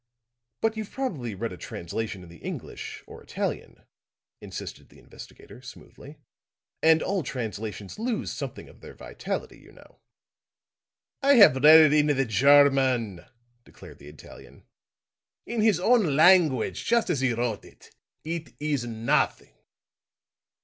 "But you've probably read a translation in the English or Italian," insisted the investigator, smoothly. "And all translations lose something of their vitality, you know." "I have read it in the German," declared the Italian; "in his own language, just as he wrote it. It is nothing."